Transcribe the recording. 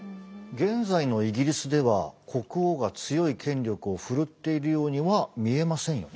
現在のイギリスでは国王が強い権力を振るっているようには見えませんよね。